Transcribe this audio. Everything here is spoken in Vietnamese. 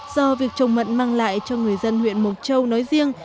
do việc trồng mận mang lại cho người dân huyện mộc châu nói riêng